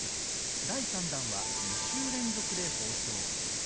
第３弾は２週連続で放送。